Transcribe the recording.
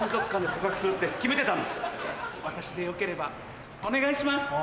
私でよければお願いします。